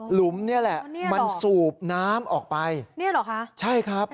หลุมเนี่ยแหละเนี่ยเหรอมันสูบน้ำออกไปเนี่ยเหรอฮะใช่ครับ